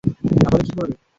তাহলে কী করবে?